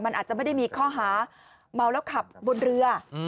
มันอาจจะไม่ได้มีข้อหาเมาแล้วขับบนเรือ